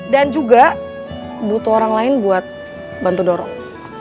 dan juga butuh orang lain buat bantu dorong